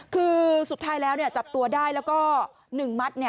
คือสุดท้ายแล้วจับตัวได้แล้วก็๑มัด